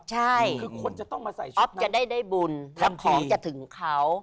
ใช่คือคนจะต้องมาใส่ชุดนะอ๊อฟจะได้ด้ายบุญทำของจะถึงเขา